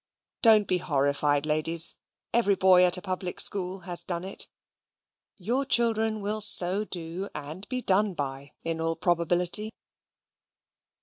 Don't be horrified, ladies, every boy at a public school has done it. Your children will so do and be done by, in all probability.